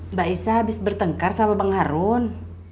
mbak isa habis bertengkar sama bang harun